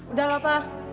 udah lah pa